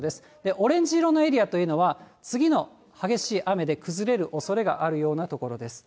オレンジ色のエリアというのは、次の激しい雨で崩れるおそれがあるような所です。